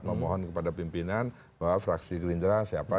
memohon kepada pimpinan bahwa fraksi gerindra siapa